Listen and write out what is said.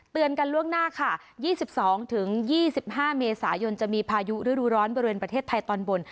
เตือนกันล่วงหน้าค่ะยี่สิบสองถึงยี่สิบห้าเมษายนต์จะมีพายุฤดูร้อนบริเวณประเทศไทยตอนบน